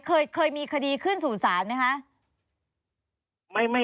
เคยมีคดีขึ้นสู่ศาลไหมคะ